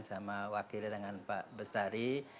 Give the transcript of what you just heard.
sama wakilnya dengan pak bestari